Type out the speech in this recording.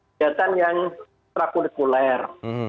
kegiatan yang trakulikuler